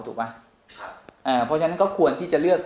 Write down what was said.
เพราะฉะนั้นก็ควรที่จะเลือก